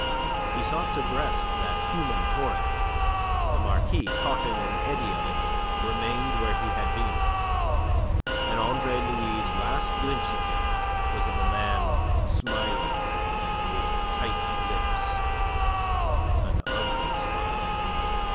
He sought to breast that human torrent; the Marquis, caught in an eddy of it, remained where he had been, and Andre Louis' last glimpse of him was of a man smiling with tight lips, an ugly smile.